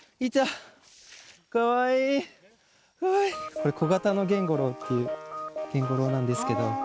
これコガタノゲンゴロウっていうゲンゴロウなんですけど。